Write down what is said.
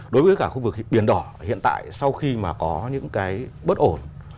đối với cả khu vực biển đỏ hiện tại sau khi mà có những cái bất ổn